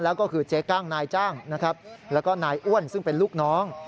แล้วก็คือเจ๊กั้งนายจ้างนะครับแล้วก็นายอ้วนซึ่งเป็นลูกน้อง